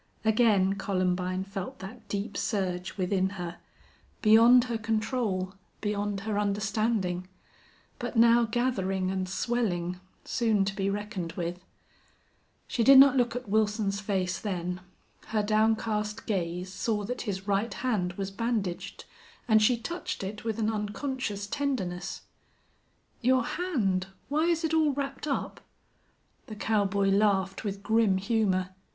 Again Columbine felt that deep surge within her, beyond her control, beyond her understanding, but now gathering and swelling, soon to be reckoned with. She did not look at Wilson's face then. Her downcast gaze saw that his right hand was bandaged, and she touched it with an unconscious tenderness. "Your hand! Why is it all wrapped up?" The cowboy laughed with grim humor.